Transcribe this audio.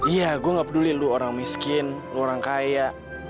iya gue gak peduli lu orang miskin lu orang kaya